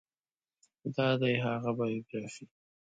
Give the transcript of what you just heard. دا دی هغه بایوګرافي